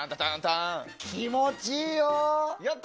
気持ちいいよ！